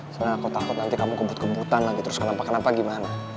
sebenarnya aku takut nanti kamu kebut kebutan lagi terus kenapa gimana